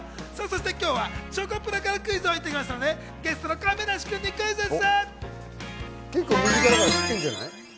今日はチョコプラからクイズをいただきましたので、ゲストの亀梨君にクイズッス。